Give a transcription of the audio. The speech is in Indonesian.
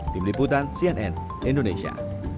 tim liputan cnn indonesia